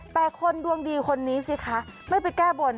แต่คนดวงดีคนนี้สิคะไม่ไปแก้บน